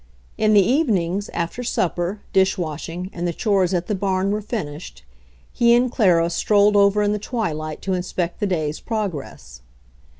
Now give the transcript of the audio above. In the evenings, after sup per, dishwashing and the chores at the barn were finished, he and Clara strolled over in the twilight to inspect the day's progress.